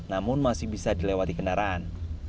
namun masih bisa dilewati kendaraan